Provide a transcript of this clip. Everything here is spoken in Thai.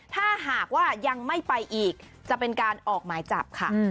ถ้าหากว่ายังไม่ไปอีกจะเป็นการออกหมายจับค่ะ